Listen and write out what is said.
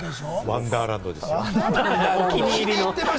ワンダーランドです。